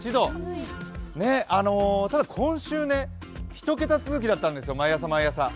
ただ今週、１桁続きだったんですよ、毎朝、毎朝。